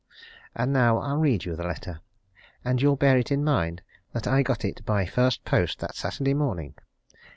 And now I'll read you the letter and you'll bear it in mind that I got it by first post that Saturday morning.